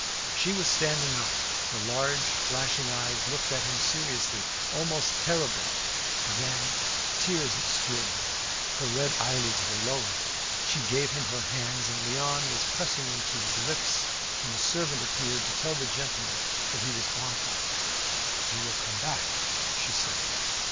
She was standing up, her large flashing eyes looked at him seriously, almost terribly. Then tears obscured them, her red eyelids were lowered, she gave him her hands, and Léon was pressing them to his lips when a servant appeared to tell the gentleman that he was wanted. "You will come back?" she said.